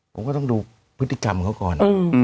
ผมก็ต้องดูพฤติกรรมเขาก่อน